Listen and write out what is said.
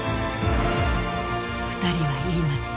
［２人は言います］